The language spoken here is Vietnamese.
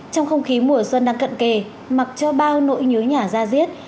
trong không khí mùa xuân đang cận kề mặc cho bao nỗi nhớ nhà ra diết